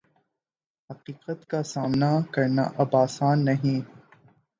حقیقت کا سامنا کرنا اب آسان نہیں